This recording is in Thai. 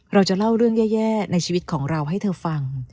เราจะเล่าเรื่องแย่ในชีวิตของเราให้เธอฟัง